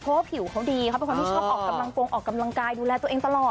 เพราะว่าผิวเขาดีเขาเป็นคนที่ชอบออกกำลังกงออกกำลังกายดูแลตัวเองตลอด